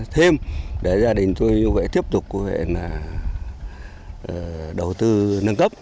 thêm để gia đình tôi như vậy tiếp tục đầu tư nâng cấp